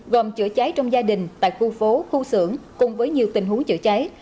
gồm chữa cháy trong gia đình tại khu phố khu xưởng cùng với nhiều tình huống chữa cháy